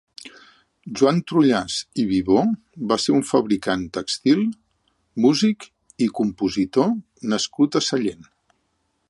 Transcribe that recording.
Joan Trullàs i Vivó va ser un fabricant tèxtil, músic i compositor nascut a Sallent.